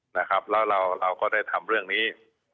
นะครับแล้วเราก็ได้ทำเรื่องนี้